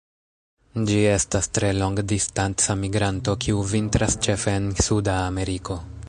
Ĝi estas tre longdistanca migranto kiu vintras ĉefe en Suda Ameriko.